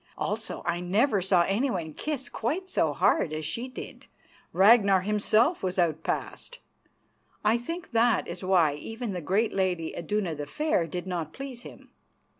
Also, I never saw anyone kiss quite so hard as she did; Ragnar himself was outpassed. I think that is why even the great lady, Iduna the Fair, did not please him.